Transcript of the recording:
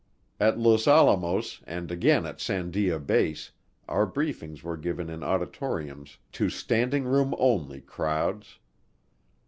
At Los Alamos and again at Sandia Base our briefings were given in auditoriums to standing room only crowds.